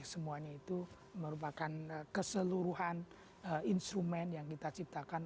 semuanya itu merupakan keseluruhan instrumen yang kita ciptakan